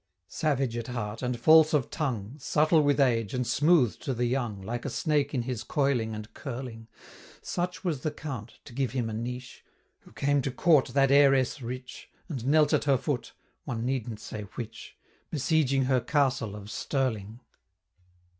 Savage at heart, and false of tongue, Subtle with age, and smooth to the young, Like a snake in his coiling and curling Such was the Count to give him a niche Who came to court that Heiress rich, And knelt at her foot one needn't say which Besieging her castle of Stirling.